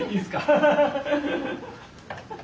ハハハハハ！